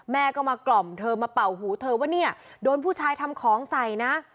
แม่ก็มากล่อมเธอมาเป่าหูเธอว่าเนี่ยโดนผู้ชายทำของใส่นะ